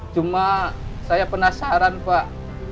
cuma saya penasaran pak